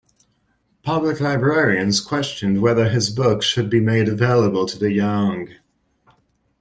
Public librarians questioned whether his books should be made available to the young.